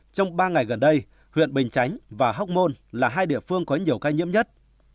trong ba ngày gần đây huyện bình chánh và hóc môn là hai địa phương có nhiều ca nhiễm nhất